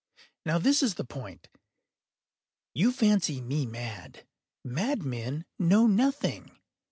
Now this is the point. You fancy me mad. Madmen know nothing.